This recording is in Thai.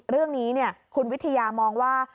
เรื่องนี้คุณวิทยามองว่า